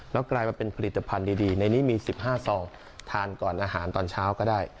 แล้วกลายมาเป็นผลิตภัณฑ์ดีในนี้มี๑๕ซองทานก่อนอาหารตอนเช้าก็ได้